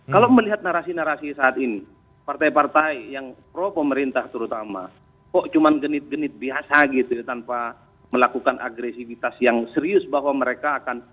kalau melihat narasi narasi saat ini partai partai yang pro pemerintah terutama kok cuma genit genit biasa gitu ya tanpa melakukan agresivitas yang serius bahwa mereka akan